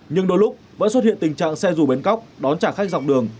nhưng đôi lúc vẫn xuất hiện tình trạng xe dù bến cóc đón trả khách dọc đường